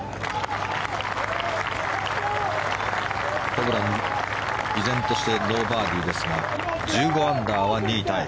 ホブラン、依然としてノーバーディーですが１５アンダーは２位タイ。